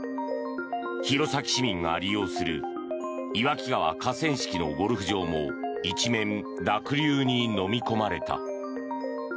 弘前市民が利用する岩木川河川敷のゴルフ場も一面、濁流にのみ込まれた。